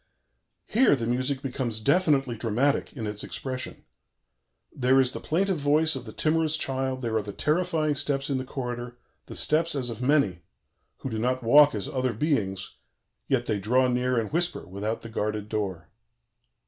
Here the music becomes definitely dramatic in its expression: "There is the plaintive voice of the timorous child; there are the terrifying steps in the corridor, the steps as of many, who do not walk as other beings, yet they draw near and whisper without the guarded door."